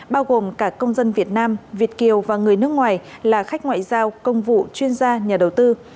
bao gồm cả công dân việt nam việt kiều và người nước ngoài là khách ngoại giao công vụ chuyên gia nhà đầu tư